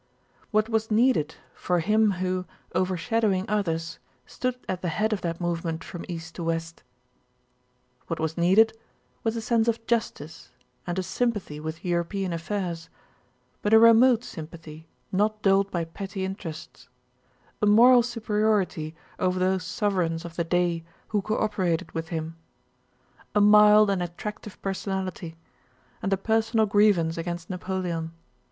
What was needed for him who, overshadowing others, stood at the head of that movement from east to west? What was needed was a sense of justice and a sympathy with European affairs, but a remote sympathy not dulled by petty interests; a moral superiority over those sovereigns of the day who co operated with him; a mild and attractive personality; and a personal grievance against Napoleon.